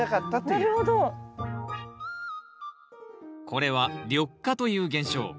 これは緑化という現象。